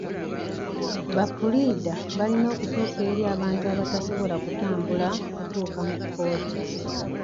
Ba puliida balina okutuuka eri abantu abatasobola kutambula kutuuka mu kkooti.